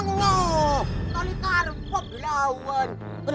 makin kaya sih junet